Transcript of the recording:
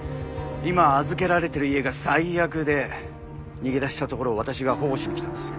今預けられてる家が最悪で逃げ出したところを私が保護しに来たんです。